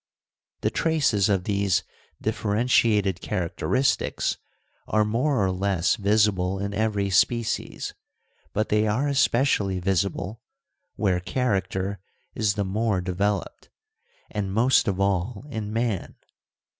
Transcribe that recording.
The traces of these differentiated characteristics are more or less visible in every species, but they are especially visible where character is the more developed, and most of all in man.